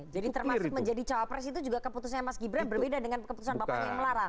jadi termasuk menjadi cawapres itu juga keputusannya mas gibran berbeda dengan keputusan bapaknya yang melarang